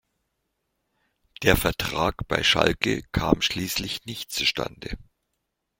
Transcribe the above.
Der Vertrag bei Schalke kam schließlich nicht zustande.